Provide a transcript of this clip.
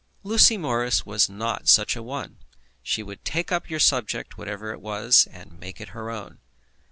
Lucy Morris was not such a one. She would take up your subject, whatever it was, and make it her own.